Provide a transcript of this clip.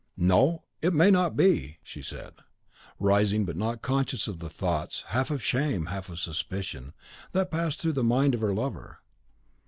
"No, it may not be!" she said, rising, but not conscious of the thoughts, half of shame, half suspicion, that passed through the mind of her lover.